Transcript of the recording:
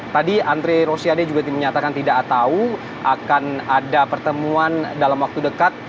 tadi andre rosiade juga menyatakan tidak tahu akan ada pertemuan dalam waktu dekat